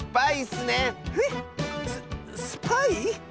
ススパイ？